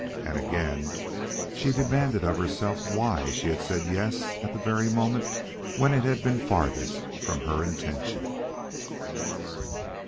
And again she demanded of herself why she had said yes at the very moment when it had been farthest from her intention.